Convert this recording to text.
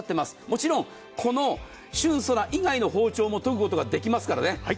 もちろんこの旬ＳＯＲＡ以外の包丁も研ぐことができますからね。